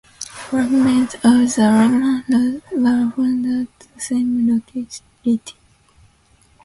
Fragments of the roman roads were found at the same locality.